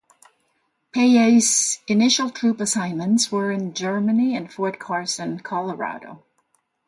Peay's initial troop assignments were in Germany and Fort Carson, Colorado.